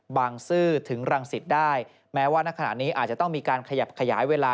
ซื่อถึงรังสิตได้แม้ว่าณขณะนี้อาจจะต้องมีการขยับขยายเวลา